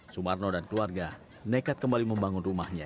sumarno dan keluarga nekat kembali membangun rumahnya